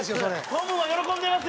トムも喜んでます